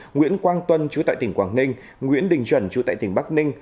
nguyễn quang tuân chú tại tỉnh quảng ninh nguyễn đình chuẩn chú tại tỉnh bắc ninh